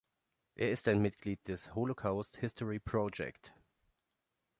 Er ist ein Mitglied des Holocaust History Project.